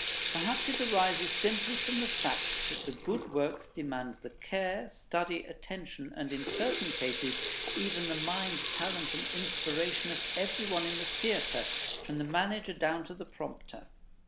Perhaps it arises simply from the fact that the good works demand the care, study, attention, and, in certain cases, even the mind, talent, and inspiration of every one in the theatre, from the manager down to the prompter.